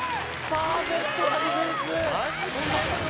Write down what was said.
パーフェクトディフェンス！